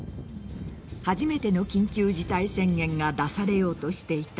初めての緊急事態宣言が出されようとしていた